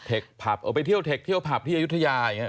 เอ๋าไปทำเทคเทียวพับที่อยุธยา